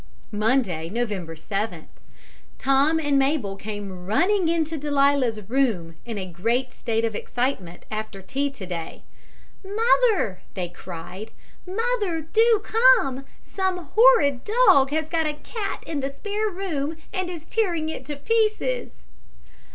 "Monday, November 7th. Tom and Mable came running into Delia's room in a great state of excitement after tea to day. 'Mother!' they cried, 'Mother! Do come! Some horrid dog has got a cat in the spare room and is tearing it to pieces.'